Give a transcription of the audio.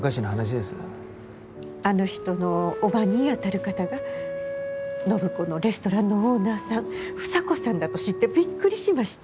あの人の叔母にあたる方が暢子のレストランのオーナーさん房子さんだと知ってびっくりしました。